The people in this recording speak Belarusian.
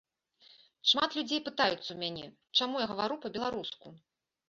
Шмат людзей пытаюцца ў мяне, чаму я гавару па-беларуску.